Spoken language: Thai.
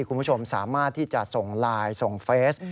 คุณผู้ชมสามารถที่จะส่งไลน์ส่งเฟส